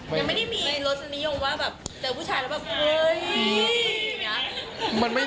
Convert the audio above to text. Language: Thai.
ไม่มีรสนิยมว่าแบบ